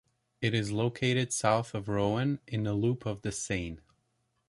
It is located south of Rouen in a loop of the Seine.